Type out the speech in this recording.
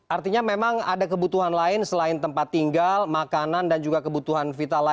artinya memang ada kebutuhan lain selain tempat tinggal makanan dan juga kebutuhan vital lain